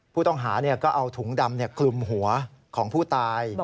ผู้ต้องหาเนี่ยก็เอาถุงดำเนี่ยกลุ่มหัวของผู้ตาย